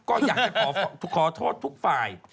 ก็อยากจะขอโทษทุกฝ่าย